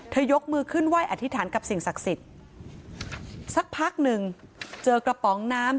ยกมือขึ้นไหว้อธิษฐานกับสิ่งศักดิ์สิทธิ์สักพักหนึ่งเจอกระป๋องน้ำ